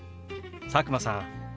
佐久間さん